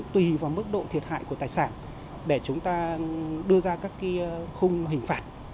tùy vào mức độ thiệt hại của tài sản để chúng ta đưa ra các khung hình phạt